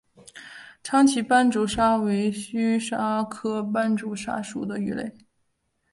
长鳍斑竹鲨为须鲨科斑竹鲨属的鱼类。